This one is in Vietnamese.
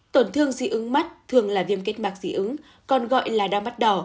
tổn thương dị ứng mắt thường là viêm kết mạc dị ứng còn gọi là đau mắt đỏ